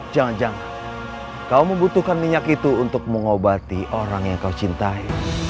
jangan jangan kau membutuhkan minyak itu untuk mengobati orang yang kau cintai